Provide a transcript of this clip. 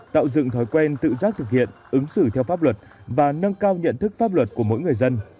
tạo dựng thói quen tự giác thực hiện ứng xử theo pháp luật và nâng cao nhận thức pháp luật của mỗi người dân